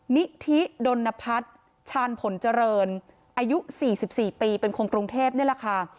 นิธิดนพัฒน์ชาญผลเจริญอายุ๔๔ปีเป็นคนกรุงเทพนี่แหละค่ะ